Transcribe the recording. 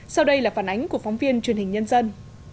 sau đây là phản ánh của phóng viên truyền hình nhân dân